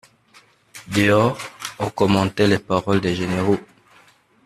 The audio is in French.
Dehors, on commentait les paroles des généraux.